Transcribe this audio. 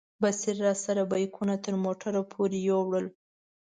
بصیر راسره بیکونه تر موټره پورې یوړل.